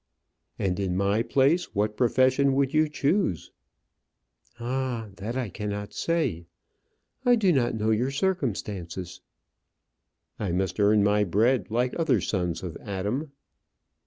"And in my place, what profession would you choose?" "Ah, that I cannot say. I do not know your circumstances." "I must earn my bread, like other sons of Adam."